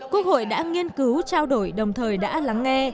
quốc hội đã nghiên cứu trao đổi đồng thời đã lắng nghe